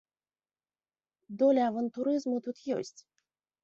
Доля авантурызму тут ёсць.